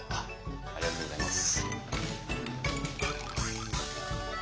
ありがとうございます。